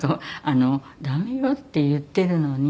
「駄目よ」って言ってるのに。